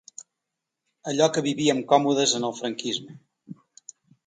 Allò que vivíem còmodes en el franquisme.